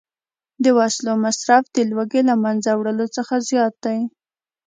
د وسلو مصرف د لوږې له منځه وړلو څخه زیات دی